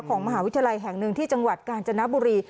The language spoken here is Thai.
ของมหาวิทยาลัยแห่งหนึ่งที่จังหวัดกาญจนบุรี